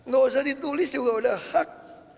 gak usah ditulis juga udah hak